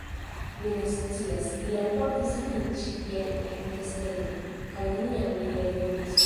Mi ne scias; li alportis min ĉi tien en kesteto, kaj neniam li revenis...